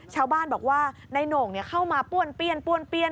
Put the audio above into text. ชาวบ้านบอกว่านายโหน่งเข้ามาป้วนเปี้ยนป้วนเปี้ยน